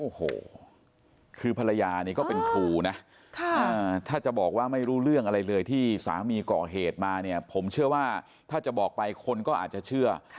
โอ้โหคือภรรยานี่ก็เป็นครูนะถ้าจะบอกว่าไม่รู้เรื่องอะไรเลยที่สามีก่อเหตุมาเนี่ยผมเชื่อว่าถ้าจะบอกไปคนก็อาจจะเชื่อ